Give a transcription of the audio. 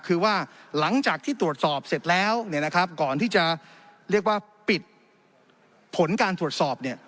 คือว่าหลังจากที่ตรวจสอบเสร็จแล้วก่อนที่จะเรียกว่าปิดผลการตรวจสอบเนี่ย